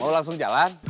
mau langsung jalan